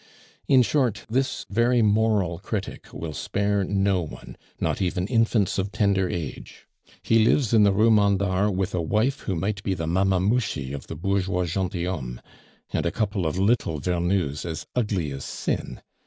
In short, this very moral critic will spare no one, not even infants of tender age. He lives in the Rue Mandar with a wife who might be the Mamamouchi of the Bourgeois gentilhomme and a couple of little Vernous as ugly as sin.